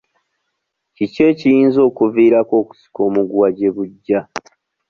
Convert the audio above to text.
Kiki ekiyinza okuviirako okusika omuguwa gye bujja?